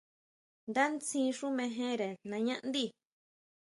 Ndá ntsín xú mejere nañá ndí.